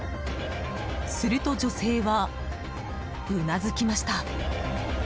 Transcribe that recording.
すると女性は、うなずきました。